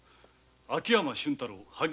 秋山俊太郎萩